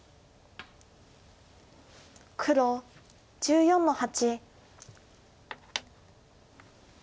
黒１４の八。